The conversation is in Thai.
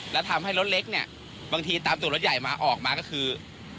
แล้วทำให้รถเล็กเนี่ยบางทีตามตัวรถใหญ่มาออกมาก็คือ